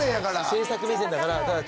制作目線だから。